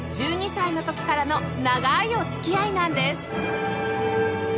１２歳の時からの長いお付き合いなんです